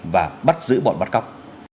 và bắt giữ bọn bắt cóc